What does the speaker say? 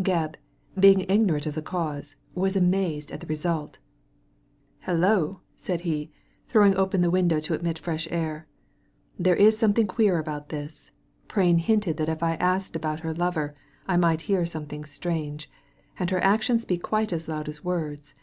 Gebb, being ignorant of the cause, was amazed at the result Hullo i '' said he, throwing open the window to admit fresh air, *' there is something queer about this. Prain hinted that if I asked about her lover I might hear something strange, and her actions speak quite as loud as words.